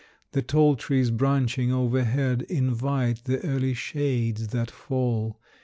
The tall trees branching overhead Invite the early shades that fall.